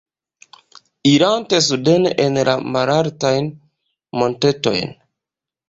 Irante suden en la malaltajn montetojn.